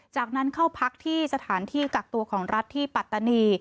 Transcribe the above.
จากนั้นเข้าพักที่สถานที่กักตัวของรัฐที่ปัตตานี